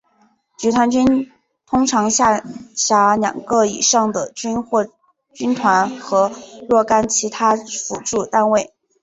集团军通常下辖两个以上的军或军团和若干其他辅助单位。